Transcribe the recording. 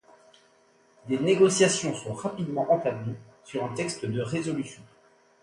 Des négociations sont rapidement entamées sur un texte de résolution.